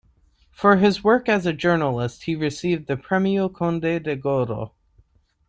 For his work as a journalist he received the Premio Conde de Godó.